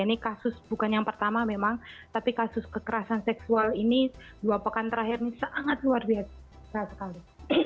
ini kasus bukan yang pertama memang tapi kasus kekerasan seksual ini dua pekan terakhir ini sangat luar biasa sekali